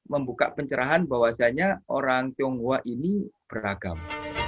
membuka pencerahan bahwasannya orang tionghoa ini beragam